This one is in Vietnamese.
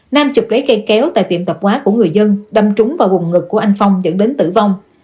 nam chụp lấy cây kéo tại tiệm tập hóa của người dân đâm trúng vào bụng ngực của anh phong dẫn đến tử vong